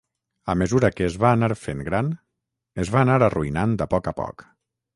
A mesura que es va anar fent gran, es va anar arruïnant a poc a poc.